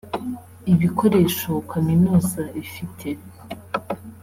ibikoresho Kaminuza ifite